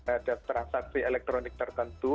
ada transaksi elektronik tertentu